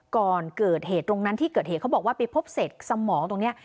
ก่อนเกิดเหตุตรงนั้นที่เกิดเหตุเขาบอกว่าไปพบเศษสมองตรงนี้